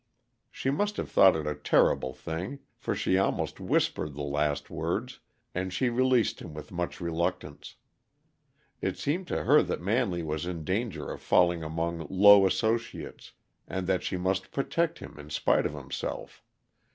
She must have thought it a terrible thing, for she almost whispered the last words, and she released him with much reluctance. It seemed to her that Manley was in danger of falling among low associates, and that she must protect him in spite of himself.